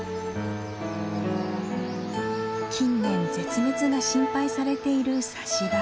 近年絶滅が心配されているサシバ。